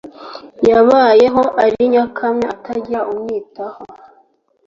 yabayeho ari nyakamwe atagira umwitaho